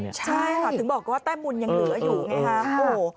ใช่ค่ะถึงบอกว่าแต้มบุญยังเหลืออยู่ไงคะ